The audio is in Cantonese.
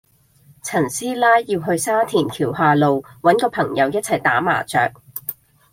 陳師奶要去沙田橋下路搵個朋友一齊打麻雀